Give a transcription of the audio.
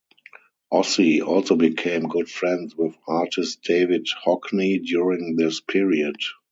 Ossie also became good friends with artist David Hockney during this period.